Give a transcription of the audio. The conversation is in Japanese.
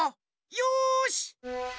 よし！